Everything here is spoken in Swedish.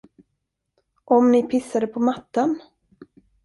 Om ni pissade på mattan?